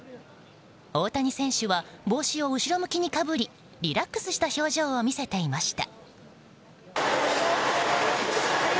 大谷選手は帽子を後ろ向きにかぶりリラックスした表情を見せていました。